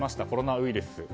コロナウイルス。